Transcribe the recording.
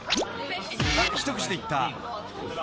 ［一口でいった］